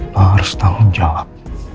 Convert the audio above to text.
lo harus tanggung jawab